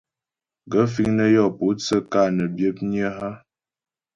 Gaə̂ fíŋ nə́ yɔ́ pótsə́ ka nə́ byə̌pnyə́ a ?